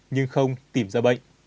nhưng không tìm ra bệnh